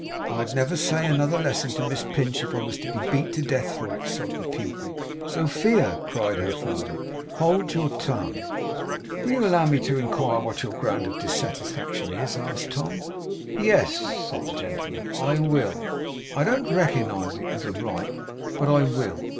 'I'd never say another lesson to Miss Pinch if I was to be beat to death for it!' sobbed the pupil. 'Sophia!' cried her father. 'Hold your tongue!' 'Will you allow me to inquire what your ground of dissatisfaction is?' asked Tom. 'Yes,' said the gentleman, 'I will. I don't recognize it as a right; but I will.